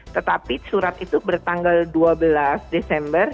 tetapi surat itu bertanggal dua belas desember